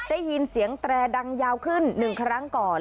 ได้ยินเสียงแตรดังยาวขึ้น๑ครั้งก่อน